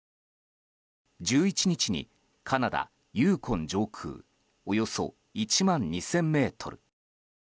１１日に、カナダ・ユーコン上空およそ１万２０００ｍ。